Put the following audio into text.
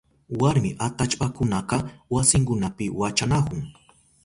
Warmi atallpakunaka wasinkunapi wachanahun.